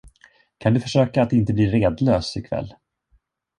Kan du försöka att inte bli redlös ikväll?